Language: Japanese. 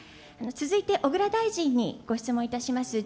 続いて小倉大臣にご質問いたします。